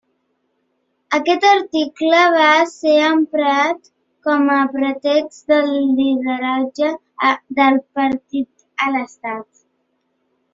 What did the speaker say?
Aquest article va ser emprat com a pretext del lideratge del partit a l'Estat.